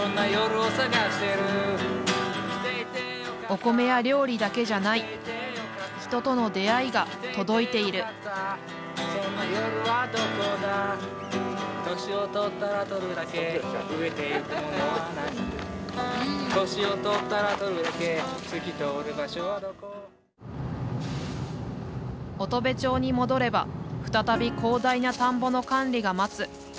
お米や料理だけじゃない人との出会いが届いている乙部町に戻れば再び広大な田んぼの管理が待つ。